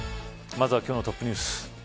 まずは今日のトップニュース。